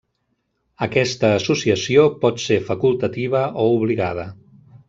Aquesta associació pot ser facultativa o obligada.